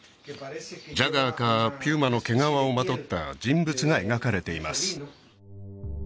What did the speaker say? ジャガーかピューマの毛皮をまとった人物が描かれています